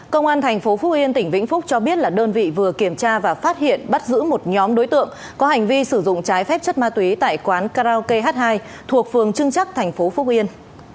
công an thành phố phúc yên tỉnh vĩnh phúc cho biết là đơn vị vừa kiểm tra và phát hiện bắt giữ một nhóm đối tượng có hành vi sử dụng trái phép chất ma túy tại quán karaoke h hai thuộc phường trưng chắc thành phố phúc yên